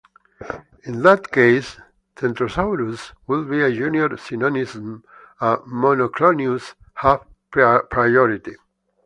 In that case "Centrosaurus" would be a junior synonym and "Monoclonius" have priority.